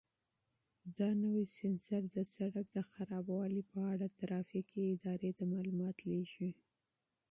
دا نوی سینسر د سړک د خرابوالي په اړه ترافیکي ادارې ته معلومات لېږي.